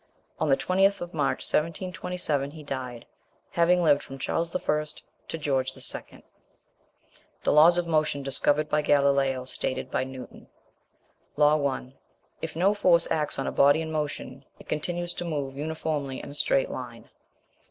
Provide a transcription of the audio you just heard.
On the 20th of March 1727, he died: having lived from Charles I. to George II. THE LAWS OF MOTION, DISCOVERED BY GALILEO, STATED BY NEWTON. Law 1. If no force acts on a body in motion, it continues to move uniformly in a straight line.